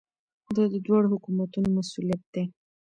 دا د دواړو حکومتونو مسؤلیت دی.